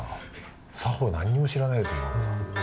作法何にも知らないです。